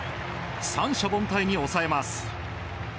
三者凡退に抑えます。